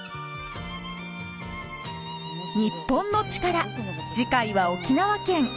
『日本のチカラ』次回は沖縄県。